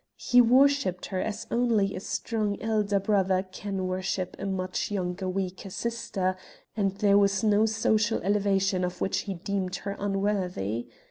He worshipped her as only a strong elder brother call worship a much younger weaker sister and there was no social elevation of which he deemed her unworthy.